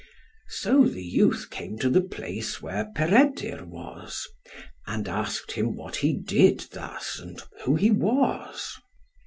So the youth came to the place where Peredur was, and asked him what he did thus, and who he was.